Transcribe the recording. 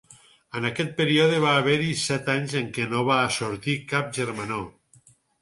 En aquest període va haver-hi set anys en què no va sortir cap germanor.